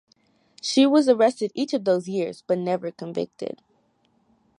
She was arrested each of those years, but never convicted.